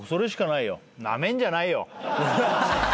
なめんじゃないよ。